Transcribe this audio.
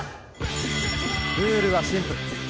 ルールはシンプル。